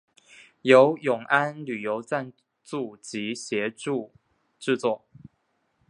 由永安旅游赞助及协助制作。